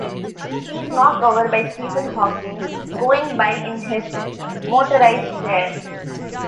He is knocked over by Stephen Hawking going by in his motorized chair.